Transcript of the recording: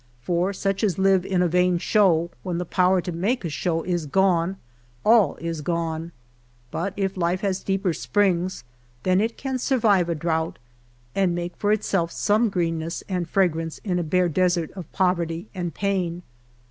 For such as live in a vain show, when the power to make a show is gone, all is ^one. But if life has deeper springs, then it can survive a drought, and make for itself some greenness and fragrance in a bare desert of poverty and pain.